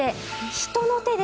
人の手で！